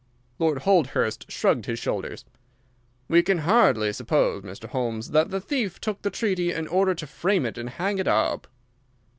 Lord Holdhurst shrugged his shoulders. "We can hardly suppose, Mr. Holmes, that the thief took the treaty in order to frame it and hang it up."